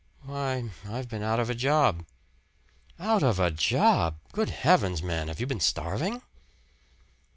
"Why, I've been out of a job." "Out of a job? Good heavens, man, have you been starving?"